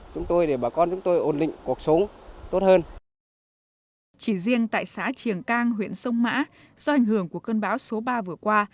chỉ riêng tại xã triềng cang huyện sông mã do ảnh hưởng của cơn bão số ba vừa qua